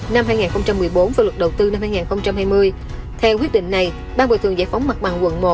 năm hai nghìn một mươi bốn và luật đầu tư năm hai nghìn hai mươi theo quyết định này ban bồi thường giải phóng mặt bằng quận một